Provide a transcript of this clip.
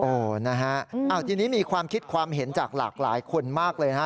โอ้โหนะฮะทีนี้มีความคิดความเห็นจากหลากหลายคนมากเลยนะฮะ